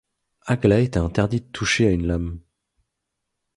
Aglaé t’a interdit de toucher à une lame.